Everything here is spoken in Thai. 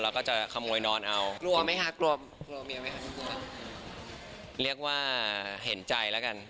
แล้วก็จะขโมยนอนเอากลัวไหมคะกลัวกลัวเมียไหมคะเรียกว่าเห็นใจแล้วกัน